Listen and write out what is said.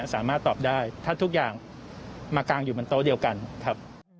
สามารถตอบได้ถ้าทุกอย่างมากางอยู่บนโต๊ะเดียวกันครับ